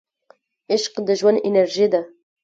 عشق د ژوند انرژي ده.